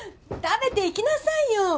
食べていきなさいよ！